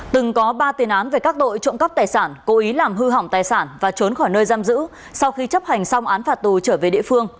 từng có ba tiền án về các tội trộm cắp tài sản cố ý làm hư hỏng tài sản và trốn khỏi nơi giam giữ sau khi chấp hành xong án phạt tù trở về địa phương